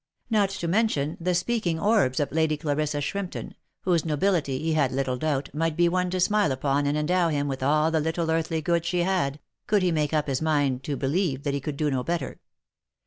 Not to mention the speaking orbs of Lady Clarissa Shrimpton, whose nobility, he had little doubt, might be won to smile upon and endow him with all the little earthly goods she had, could he make up his mind to believe that he could do no better.